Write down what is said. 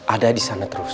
ada di sana terus